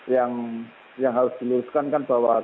yang harus diluruskan kan bahwa